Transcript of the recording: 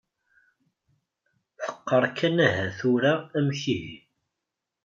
Teqqar kan aha tura amek ihi.